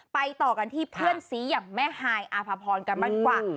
ต่อกันที่เพื่อนซีอย่างแม่ฮายอาภพรกันบ้างดีกว่า